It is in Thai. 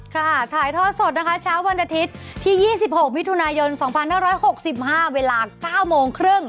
ค่ะถ่ายทอดสดนะคะเช้าวันอาทิตย์ที่๒๖มิถุนายน๒๕๖๕เวลา๙โมงครึ่ง